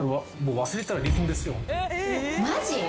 マジ？